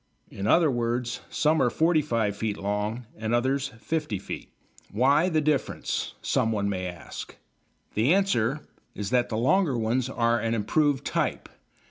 In other words, some are 45 feet long and others 50 feet. Why the difference? someone may ask. The answer is that the longer ones are an improved type.